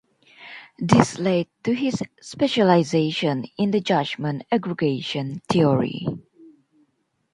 This led to his specialization in the judgment aggregation theory.